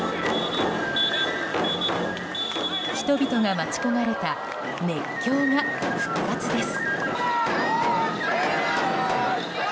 人々が待ち焦がれた熱狂が復活です。